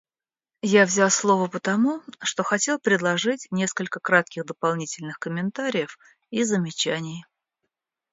Я взял слово потому, что хотел предложить несколько кратких дополнительных комментариев и замечаний.